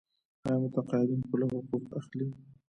آیا متقاعدین خپل حقوق اخلي؟